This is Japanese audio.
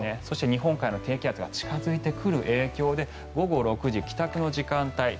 そして日本海側の低気圧が近付いてくる影響で午後６時、帰宅の時間帯